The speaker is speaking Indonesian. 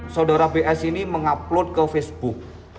saudara bs ini mengupload ke facebook